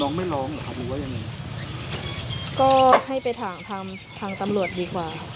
น้องไม่ร้องหรอค่ะหนูว่ายังไงก็ให้ไปถามทำทำรวจดีกว่า